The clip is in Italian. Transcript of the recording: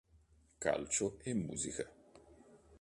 Calcio e musica.